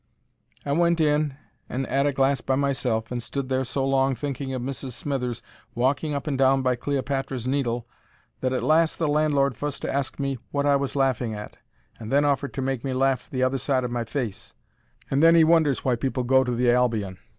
I went in and 'ad a glass by myself, and stood there so long thinking of Mrs. Smithers walking up and down by Cleopatra's Needle that at last the landlord fust asked me wot I was laughing at, and then offered to make me laugh the other side of my face. And then he wonders why people go to the Albion.